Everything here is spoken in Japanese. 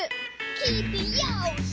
きいてよし！